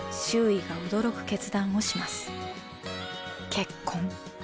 結婚。